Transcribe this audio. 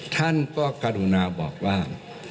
ท่านก็กรุณาบอกว่า